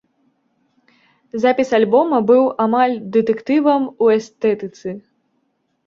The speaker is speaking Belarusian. Запіс альбома быў амаль дэтэктывам у эстэтыцы.